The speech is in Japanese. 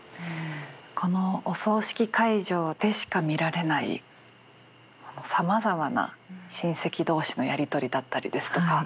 このお葬式会場でしか見られないさまざまな親戚同士のやり取りだったりですとか「あれ？